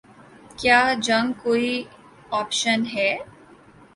کیا جنگ کوئی آپشن ہے؟